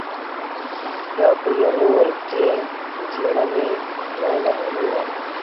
دا په لون وولف کې د څیړنې دویمه اونۍ وه